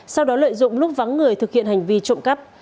sau đó lợi dụng lúc vắng người thực hiện hành vi trộm cắp